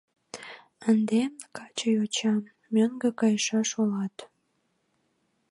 — Ынде, каче йоча, мӧҥгӧ кайышаш улат.